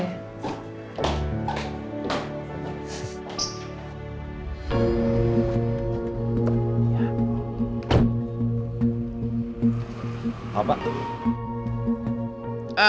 iya aku mau ketemu rena dulu